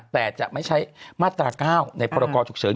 แต่จะไม่ใช้มาตรา๙ในพรกรฉุกเฉิน